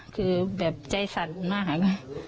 คือแบบใจสั่นมาก